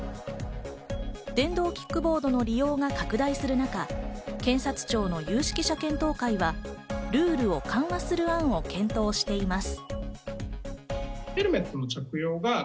電動キックボードの利用が拡大する中、警察庁の有識者検討会はルールを緩和する案を検討しています。